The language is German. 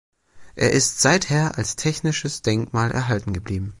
Er ist seither als technisches Denkmal erhalten geblieben.